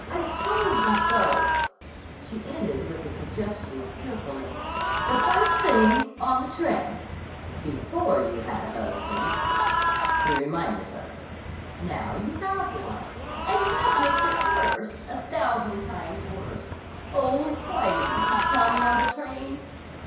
I told you so," she ended with a suggestion of fearfulness, "the first thing. On the train." "Before you had a husband," he reminded her. "Now you have one—" "And that makes it worse! A thousand times worse. Oh, why didn't you tell me on the train?"